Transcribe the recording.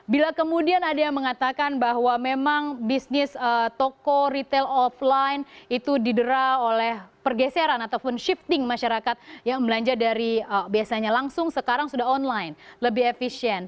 bila kemudian ada yang mengatakan bahwa memang bisnis toko retail offline itu didera oleh pergeseran ataupun shifting masyarakat yang belanja dari biasanya langsung sekarang sudah online lebih efisien